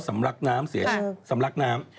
สำลักน้ำเสียสำลักน้ำ